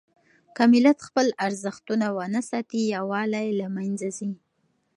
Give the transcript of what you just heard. که ملت خپل ارزښتونه ونه ساتي، يووالی له منځه ځي.